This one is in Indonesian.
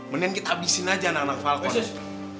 mendingan kita abisin aja anak anak falcon